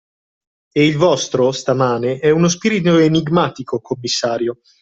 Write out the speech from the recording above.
E il vostro, stamane, è uno spirito enigmatico, commissario!